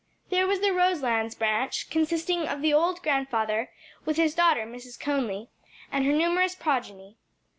There was the Roselands branch, consisting of the old grandfather, with his daughter, Mrs. Conly, and her numerous progeny.